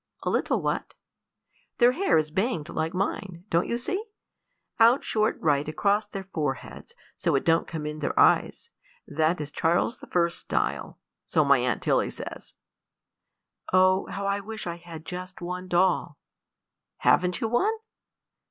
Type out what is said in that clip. "A little what?" "Their hair is banged like mine don't you see? out short right across their foreheads, so it don't come in their eyes: that is Charles the First style so my aunt Tilly says." "Oh, how I wish I had just one doll!" "Haven't you one?"